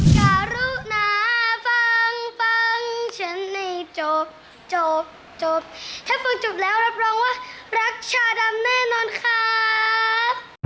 การุนาฟังฟังฉันไม่จบจบจบถ้าฟังจบแล้วรับรองว่ารักชาดำแน่นอนครับ